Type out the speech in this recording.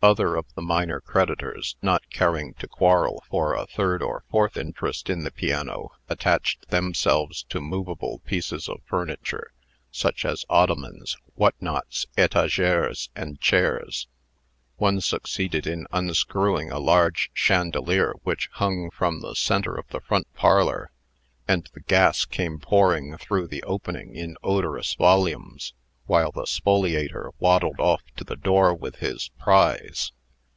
Other of the minor creditors, not caring to quarrel for a third or fourth interest in the piano, attached themselves to movable pieces of furniture, such as ottomans, whatnots, etageres, and chairs. One succeeded in unscrewing a large chandelier which hung from the centre of the front parlor, and the gas came pouring through the opening in odorous volumes, while the spoliator waddled off to the door with his prize.